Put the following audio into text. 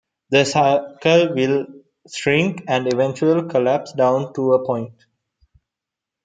The circle will shrink and eventually collapse down to a point.